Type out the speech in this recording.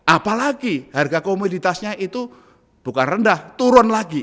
apalagi harga komoditasnya itu bukan rendah turun lagi